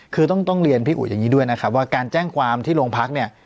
คือต้องเรียนพี่อุ๋อย่างนี้ด้วยนะครับว่าการแจ้งความที่โรงพักเนี่ย